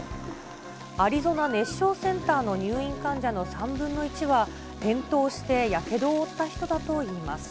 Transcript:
アリゾナ熱傷センターの入院患者の３分の１は、転倒してやけどを負った人だといいます。